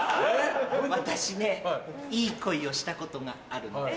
私ねいい恋をしたことがあるの。